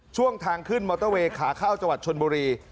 ช่วงทางขึ้นมอเตอร์เวย์ขาข้าวจันทร์บุรี